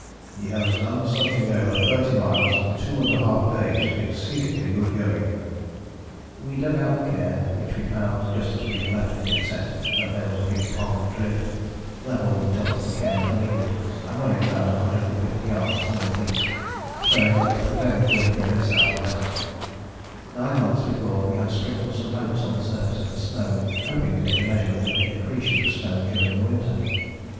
"He has done something over 30 miles in 2½ days exceedingly good going." We dug out the cairn, which we found just as we had left it except that there was a big tongue of drift, level with the top of the cairn to leeward, and running about 150 yards to N.E., showing that the prevailing wind here is S.W. Nine months before we had sprinkled some oats on the surface of the snow hoping to get a measurement of the accretion of snow during the winter.